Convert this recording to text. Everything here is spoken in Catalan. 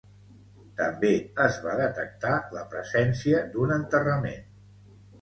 També es va detectar la presència d'un enterrament.